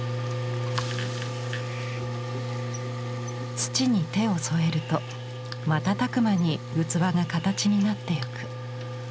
土に手を添えると瞬く間に器が形になっていく。